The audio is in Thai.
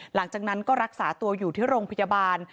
หลังจากนั้นก็รักษาตัวอยู่ที่โรงพยาบาล